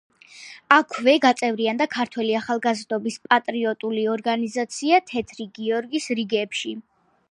აქვე გაწევრიანდა ქართველი ახალგაზრდობის პატრიოტული ორგანიზაცია „თეთრი გიორგის“ რიგებში.